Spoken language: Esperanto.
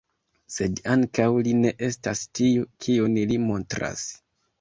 Sed ankaŭ li ne estas tiu, kiun li montras.